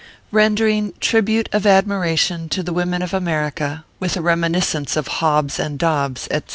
RENDERING TRIBUTE OP ADMIRATION TO THE WOMEN OF AMERICA, WITH A REMINISCENCE OP IIOBBS & DOBBS, ETC.